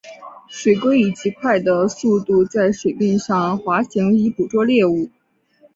水黾以极快的速度在水面上滑行以捕捉猎物。